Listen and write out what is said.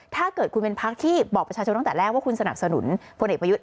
ถ้าเกิดคุณเป็นพักที่บอกประชาชนตั้งแต่แรกว่าคุณสนับสนุนพลเอกประยุทธ์